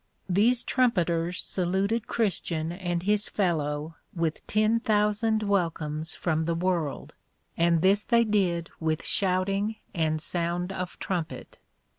These Trumpeters saluted Christian and his fellow with ten thousand welcomes from the World, and this they did with shouting and sound of Trumpet.